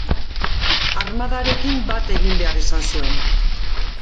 Armadarekin bat egin behar izan zuen.